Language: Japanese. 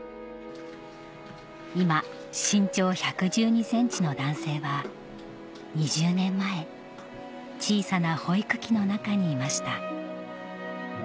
今身長１１２ｃｍの男性は２０年前小さな保育器の中にいました